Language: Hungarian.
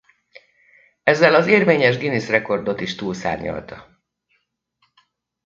Ezzel az érvényes Guinness rekordot is túlszárnyalta.